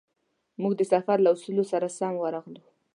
موږ د سفر له اصولو سره سم ورغلو.